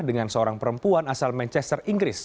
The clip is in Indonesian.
dengan seorang perempuan asal manchester inggris